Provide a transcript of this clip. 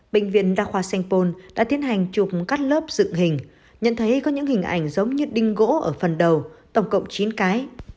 bệnh viện đa khoa sanh pôn đã tiến hành chụp cắt lớp dựng hình nhận thấy có những hình ảnh giống như đinh gỗ ở phần đầu tổng cộng chín cái